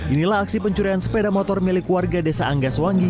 inilah aksi pencurian sepeda motor milik warga desa anggaswangi